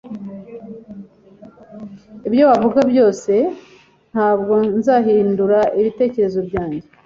Ibyo wavuga byose, ntabwo nzahindura ibitekerezo byanjye.